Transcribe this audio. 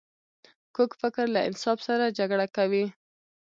کوږ فکر له انصاف سره جګړه کوي